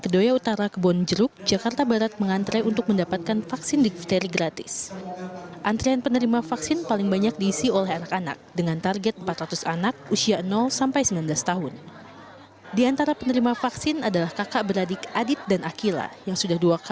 dki jakarta berupaya menanggulangi wabah difteri dengan jumlah suspek paling banyak